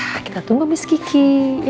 ya kita tunggu miss kiki